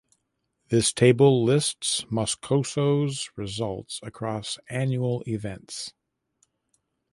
This table lists Moscoso’s results across annual events.